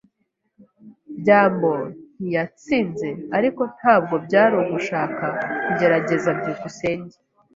byambo ntiyatsinze, ariko ntabwo byari ugushaka kugerageza. byukusenge